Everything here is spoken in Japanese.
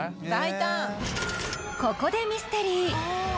ここでミステリー